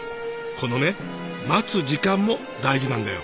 このね待つ時間も大事なんだよ。